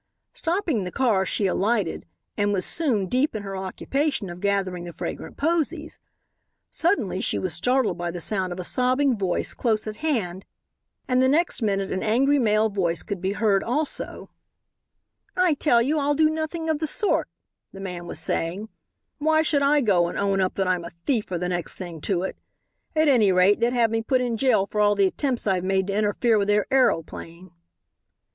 Stopping the car she alighted and was soon deep in her occupation of gathering the fragrant posies. Suddenly she was startled by the sound of a sobbing voice close at hand, and the next minute an angry male voice could be heard also. "I tell you I'll do nothing of the sort," the man was saying; "why should I go and own up that I'm a thief or the next thing to it? At any rate they'd have me put in jail for all the attempts I've made to interfere with their aeroplane."